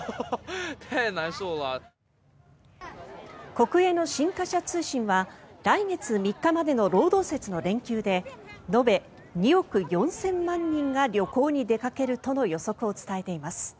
国営の新華社通信は来月３日までの労働節の連休で延べ２億４０００万人が旅行に出かけるとの予測を伝えています。